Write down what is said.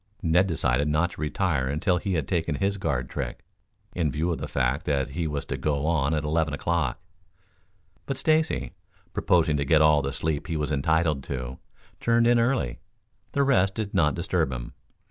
Ned decided not to retire until he had taken his guard trick, in view of the fact that he was to go on at eleven o'clock. But Stacy, proposing to get all the sleep he was entitled to, turned in early. The rest did not disturb him.